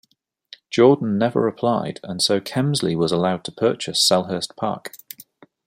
Jordan never replied and so Kemsley was allowed to purchase Selhurst Park.